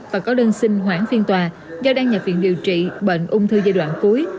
và có đơn xin hoãn phiên tòa do đang nhập viện điều trị bệnh ung thư giai đoạn cuối